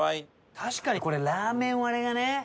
確かにこれらーめん割れがね。